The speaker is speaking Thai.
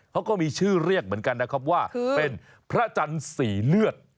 เขาก็มีชื่อเรียกเหมือนกันนะครับว่าเป็นพระจันทร์สีเลือด